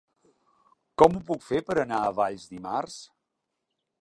Com ho puc fer per anar a Valls dimarts?